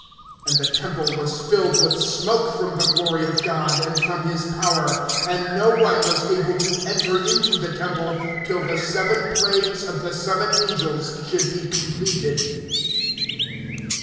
(8)And the temple was filled with smoke from the glory of God, and from his power; and no one was able to enter into the temple, till the seven plagues of the seven angels should be completed.